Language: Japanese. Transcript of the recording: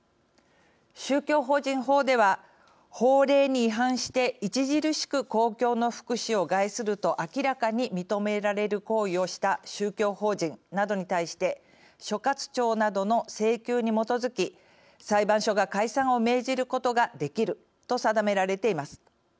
宗教法人法では法令に違反して著しく公共の福祉を害すると明らかに認められる行為をした宗教法人などに対して所轄庁などの請求に基づき裁判所が解散を命じることができると定められています。